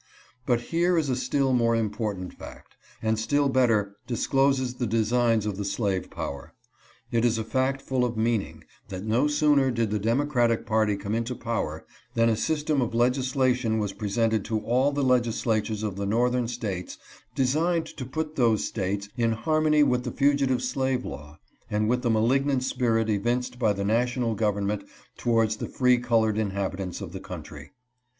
But here is a still more important fact, and still better discloses the designs of the slave power. It is a fact full of meaning, that no sooner did the democratic party come into power than a system of legislation was presented to all the legislatures of the Northern States designed to put those States in harmony with the fugitive slave law, and with the malignant spirit evinced by the national government towards the free colored inhabitants of the country.